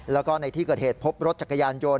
แล้วก็ในที่เกิดเหตุพบรถจักรยานยนต